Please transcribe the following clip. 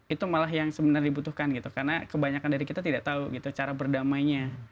itu malah yang sebenarnya dibutuhkan gitu karena kebanyakan dari kita tidak tahu gitu cara berdamainya